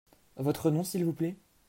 Votre nom, s’il vous plait ?